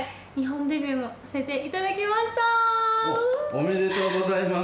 おめでとうございます。